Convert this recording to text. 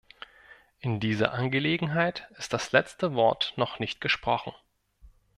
In dieser Angelegenheit ist das letzte Wort noch nicht gesprochen.